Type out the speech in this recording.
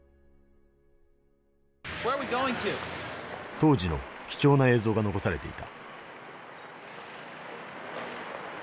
当時の貴重な映像が残されていた。